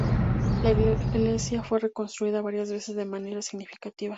La iglesia fue reconstruida varias veces de manera significativa.